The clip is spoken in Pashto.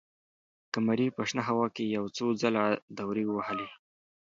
قمري په شنه هوا کې یو څو ځله دورې ووهلې.